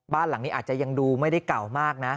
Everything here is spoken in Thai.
บ้านหลังนี้อาจจะยังดูไม่ได้เก่ามากนะ